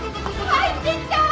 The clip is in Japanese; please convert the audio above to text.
入ってきた！